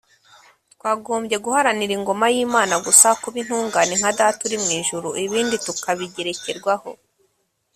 twagombye guharanira ingoma y'imana gusa (kuba intungane nka data uri mu ijuru) ibindi tukabigerekerwaho